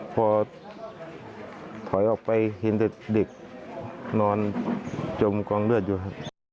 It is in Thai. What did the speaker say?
พอถอยออกไปเห็นเด็กนอนจมกว้างเลือดอยู่ค่ะ